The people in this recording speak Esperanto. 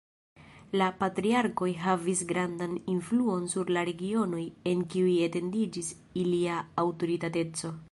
La patriarkoj havis grandan influon sur la regionoj en kiuj etendiĝis ilia aŭtoritateco.